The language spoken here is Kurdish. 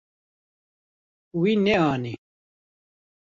Wî neanî.